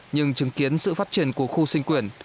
nhưng chứng kiến sự phát triển của khu sinh quyền